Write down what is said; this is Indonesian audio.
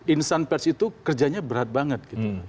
insan pers itu kerjanya berat banget gitu